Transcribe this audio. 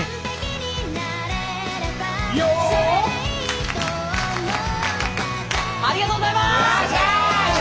よお！ありがとうございます！